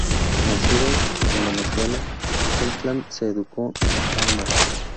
Nacido en Venezuela, Pentland se educó en Armagh.